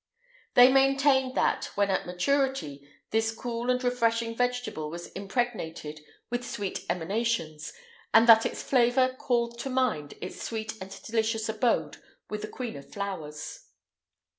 They maintained that, when at maturity, this cool and refreshing vegetable was impregnated with sweet emanations, and that its flavour called to mind its sweet and delicious abode with the queen of flowers.